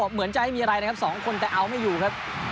เหมือนจะไม่มีอะไรนะครับสองคนแต่เอาไม่อยู่ครับ